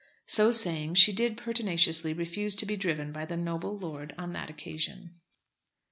So saying, she did pertinaciously refuse to be driven by the noble lord on that occasion.